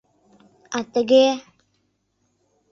А тыге...